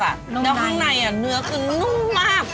แล้วข้างในเนื้อคือนุ่มมาก